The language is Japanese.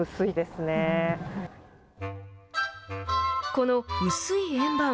この薄い円盤。